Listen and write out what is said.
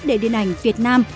để điện ảnh việt nam